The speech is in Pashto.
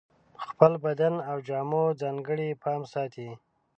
په خپل بدن او جامو ځانګړی پام ساتي.